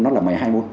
nó là một mươi hai môn